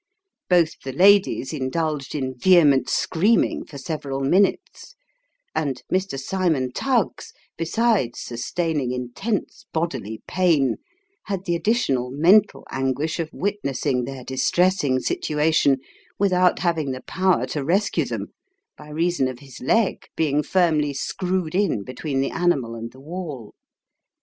Both the ladies indulged in vehement screaming for several minutes ; and Mr. Cymon Tuggs, besides sus taining intense bodily pain, had the additional mental anguish of witnessing their distressing situation, without having the power to rescue them, by reason of his leg being firmly screwed in between the animal and the wall.